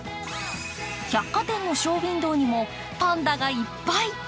百貨店のショーウインドーにもパンダがいっぱい。